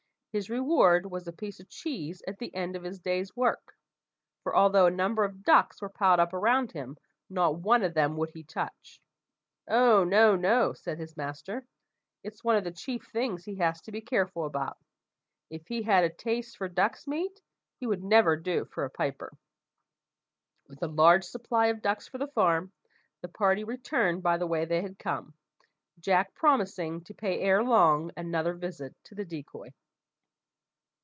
His reward was a piece of cheese at the end of his day's work, for although a number of ducks were piled up around him, not one of them would he touch. "Oh, no, no!" said his master; "it's one of the chief things he has to be careful about. If he had a taste for duck's meat, he would never do for a piper." With a large supply of ducks for the farm, the party returned by the way they had come, Jack promising to pay ere long another visit to the decoy.